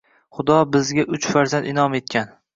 Xudo bizga uch farzand in`om etgan